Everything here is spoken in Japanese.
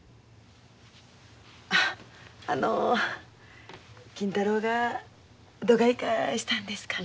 あの金太郎がどがいかしたんですか？